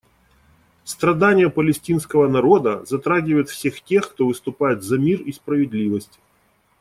Страдания палестинского народа затрагивают всех тех, кто выступает за мир и справедливость.